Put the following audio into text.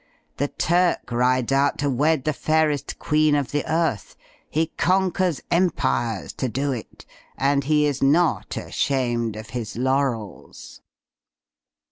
The Turk rides out to wed the fairest queen of the earth; he conquers empires to do it; and he is not ashamed of his laurels."